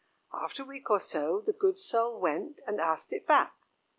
After a week or so the good soul went And asked it back.